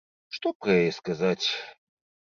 Што пра яе сказаць?